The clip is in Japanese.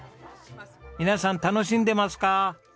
皆さん楽しんでますか？